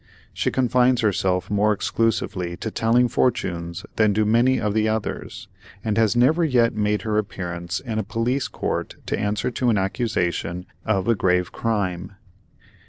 She confines herself more exclusively to telling fortunes than do many of the others, and has never yet made her appearance in a Police Court to answer to an accusation of a grave crime.